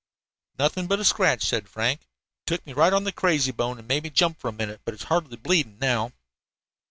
"Nothing but a scratch," said Frank. "Took me right on the 'crazy bone' and made me jump for a minute, but it's hardly bleeding now."